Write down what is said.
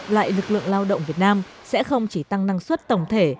lại lực lượng lao động việt nam sẽ không chỉ tăng năng suất tổng thể